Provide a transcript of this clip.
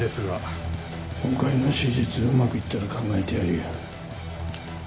今回の手術うまくいったら考えてやるよ。